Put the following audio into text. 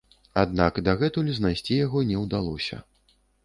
Аднак дагэтуль знайсці яго не ўдалося.